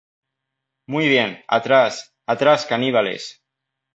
¡ Muy bien, atrás! ¡ atrás, caníbales!